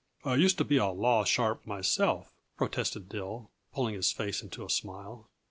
I used to be a 'law sharp' myself," protested Dill, pulling his face into a smile.